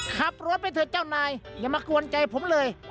ขับรถไปเถอะเจ้านายอย่ามากวนใจผมเลย